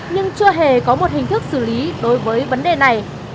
nhưng chưa hề có một hình thức xử lý đối với vấn đề này